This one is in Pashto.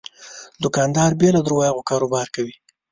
دوکاندار بې له دروغو کاروبار کوي.